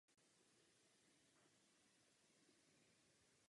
Přijetí ke studiu je podmíněno úspěšným složením přijímacích zkoušek.